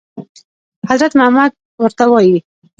حضرت محمد ورته وايي.